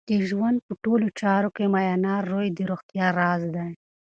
د ژوند په ټولو چارو کې میانه روی د روغتیا راز دی.